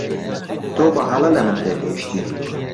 تۆ بەهەڵە لە من تێگەیشتی.